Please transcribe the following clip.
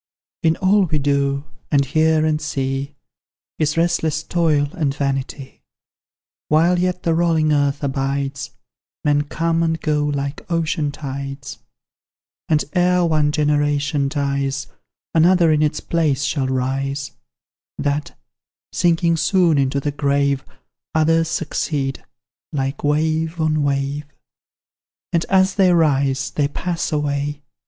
In all we do, and hear, and see, Is restless Toil and Vanity. While yet the rolling earth abides, Men come and go like ocean tides; And ere one generation dies, Another in its place shall rise; THAT, sinking soon into the grave, Others succeed, like wave on wave; And as they rise, they pass away.